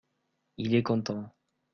il est content.